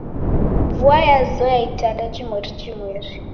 Vua yazoya itanda jimweri jimweri.